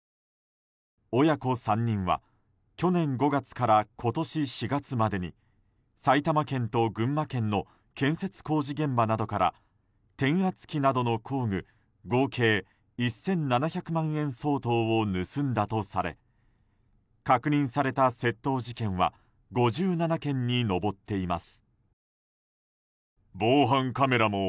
親子３人は去年５月から今年４月までに埼玉県と群馬県の建設工事現場などから転圧機などの工具合計１７００万円相当を盗んだとされ確認された窃盗事件は５７件に上っています。